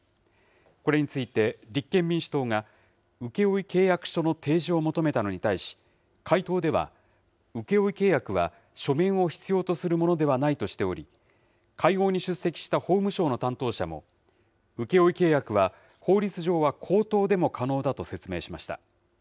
これについて、立憲民主党が請負契約書の提示を求めたのに対し、回答では、請負契約は書面を必要とするものではないとしており、会合に出席した法務省の担当者も、請負契約は、法律上は口頭でも可能だと説明しました。